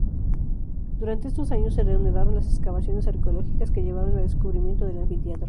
Durante estos años se reanudaron las excavaciones arqueológicas, que llevaron al descubrimiento del anfiteatro.